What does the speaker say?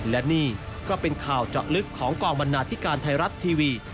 และนี่ก็เป็นข่าวเจาะลึกของกองบรรณาธิการไทยรัฐทีวี